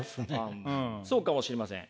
そうかもしれません。